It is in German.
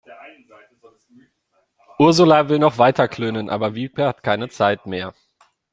Ursula will noch weiter klönen, aber Wiebke hat keine Zeit mehr.